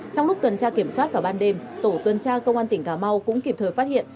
trong lúc tuần tra kiểm soát vào ban đêm tổ tuần tra công an tỉnh cà mau cũng kịp thời phát hiện